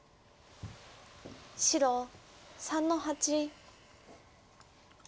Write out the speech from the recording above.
白３の八。